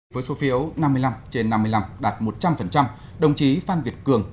với số phiếu năm mươi năm trên năm mươi năm đạt một trăm linh đồng chí phan việt cường